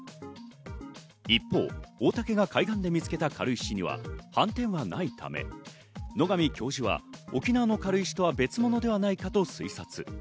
一方、大竹が海岸で見つけた軽石には斑点はないため、野上教授は沖縄の軽石とは別物ではないかと推察。